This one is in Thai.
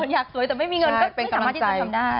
อยากสวยแต่ไม่มีเงินก็ไม่สามารถที่จะทำได้